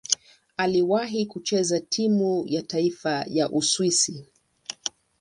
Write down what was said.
Aliwahi kucheza timu ya taifa ya Uswisi.